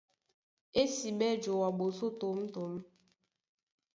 Ésiɓɛ́ joa ɓosó tǒmtǒm.